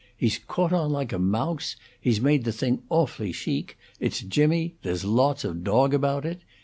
He's caught on like a mouse. He's made the thing awfully chic; it's jimmy; there's lots of dog about it.